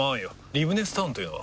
リブネスタウンというのは？